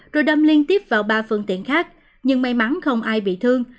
rồi đâm liên tiếp vào ba phương tiện khác nhưng may mắn không ai bị thương